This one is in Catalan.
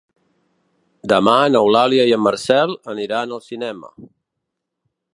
Demà n'Eulàlia i en Marcel aniran al cinema.